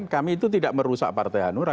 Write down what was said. kami itu tidak merusak partai hanura